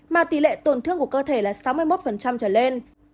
mà tỷ lệ tổn thương của cơ thể là sáu mươi một trở lên